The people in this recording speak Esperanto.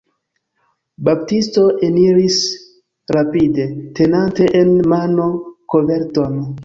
Baptisto eniris rapide, tenante en mano koverton.